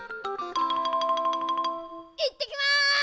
いってきます！